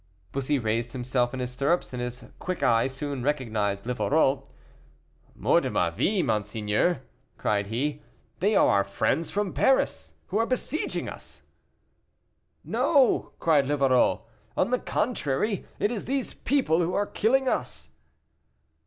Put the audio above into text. Bussy raised himself in his stirrups, and his quick eye soon recognized Livarot. "Mort de ma vie, monseigneur," cried he, "they are our friends from Paris who are besieging us." "No!" cried Livarot, "on the contrary, it is these people who are killing us."